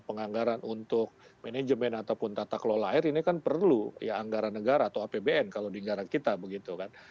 penganggaran untuk manajemen ataupun tata kelola air ini kan perlu ya anggaran negara atau apbn kalau di negara kita begitu kan